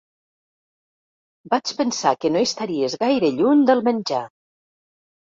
Vaig pensar que no estaries gaire lluny del menjar.